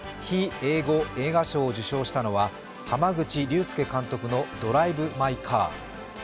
非英語映画賞を受賞したのは濱口竜介監督の「ドライブ・マイ・カー」。